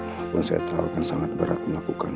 walaupun saya tau kan sangat berat melakukan ini